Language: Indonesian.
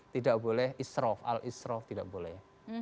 tidak boleh isrof al isrof tidak boleh